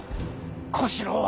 小四郎は。